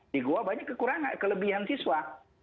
di goa banyak kekurangan kelebihan siswa